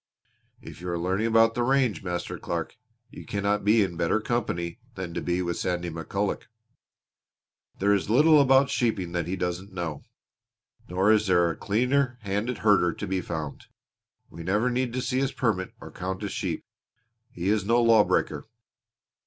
If you are learning about the range, Master Clark, you cannot be in better company than to be with Sandy McCulloch. There is little about sheeping that he doesn't know; nor is there a cleaner handed herder to be found. We never need to see his permit or count his sheep. He is no lawbreaker!"